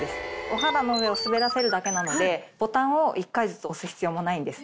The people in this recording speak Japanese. お肌の上を滑らせるだけなのでボタンを１回ずつ押す必要もないんです。